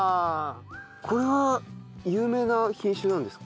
これは有名な品種なんですか？